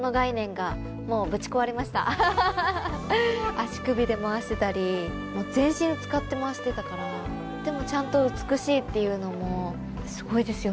足首で回してたりもう全身使って回してたからでもちゃんと美しいっていうのもすごいですよね。